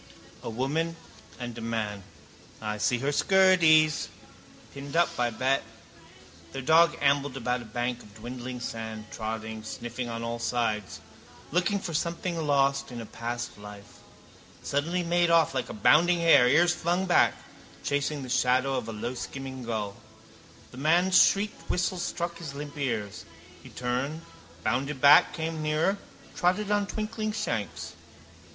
A woman and a man. I see her skirties. Pinned up, I bet. Their dog ambled about a bank of dwindling sand, trotting, sniffing on all sides. Looking for something lost in a past life. Suddenly he made off like a bounding hare, ears flung back, chasing the shadow of a lowskimming gull. The man's shrieked whistle struck his limp ears. He turned, bounded back, came nearer, trotted on twinkling shanks.